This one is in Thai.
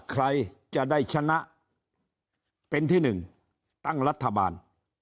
ใครจะได้ชนะเป็นที่หนึ่งตั้งรัฐบาล